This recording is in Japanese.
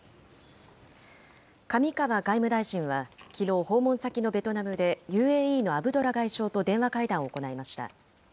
上川外務大臣はきのう、訪問先のベトナムで、ＵＡＥのアブドラ外相と電話会談を行いました。